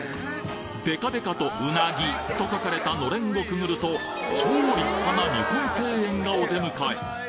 でかでかと鰻と書かれたのれんをくぐると、超立派な日本庭園がお出迎え。